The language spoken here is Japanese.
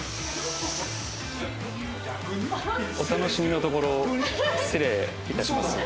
お楽しみのところ失礼いたします。